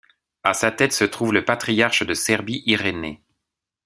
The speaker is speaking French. À sa tête se trouve le patriarche de Serbie Irénée.